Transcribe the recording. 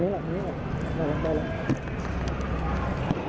เพราะตอนนี้ก็ไม่มีเวลาให้เข้าไปที่นี่